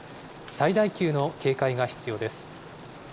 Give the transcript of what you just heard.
最大級の警戒が必要です。